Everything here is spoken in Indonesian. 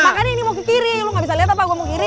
makanya ini mau ke kiri lu gak bisa lihat apa gue mau kiri